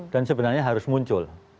dan sebenarnya harus muncul